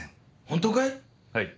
本当かい？